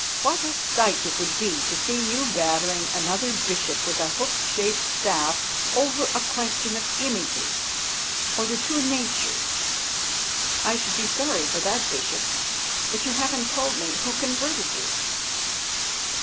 what a sight it would be to see you battering another bishop with a hook shaped staff over a question of images or the Two Natures. I should be sorry for that bishop. But you haven't told me who converted you."